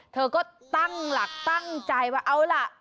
เธอก็ตั้งหลักตั้งใจว่าเอาล่ะ